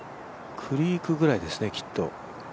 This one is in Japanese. クリークぐらいですね、きっと。